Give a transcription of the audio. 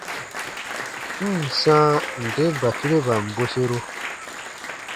N ǹ sãa nde batureban bweseru.